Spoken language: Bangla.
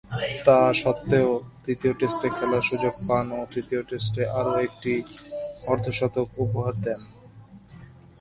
তা স্বত্ত্বেও তৃতীয় টেস্টে খেলার সুযোগ পান ও তৃতীয় টেস্টে আরও একটি অর্ধ-শতক উপহার দেন।